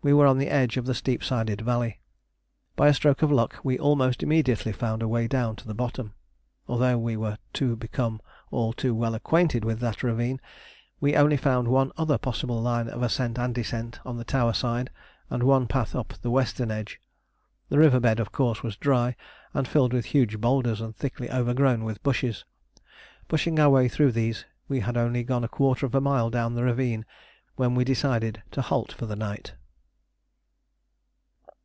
we were on the edge of the steep sided valley. By a stroke of luck we almost immediately found a way down to the bottom. Although we were to become all too well acquainted with that ravine, we only found one other possible line of ascent and descent on the tower side, and one path up the western edge. The river bed, of course, was dry, and filled with huge boulders and thickly overgrown with bushes. Pushing our way through these, we had only gone a quarter of a mile down the ravine when we decided to halt for the night.